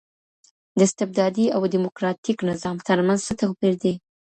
د استبدادي او ډيموکراټيک نظام ترمنځ څه توپير دی؟